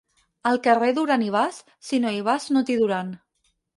Al carrer Duran i Bas, si no hi vas no t'hi duran.